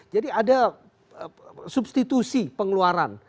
jadi ada substitusi pengeluaran